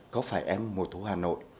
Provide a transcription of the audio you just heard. có phải em mùa thu hà nội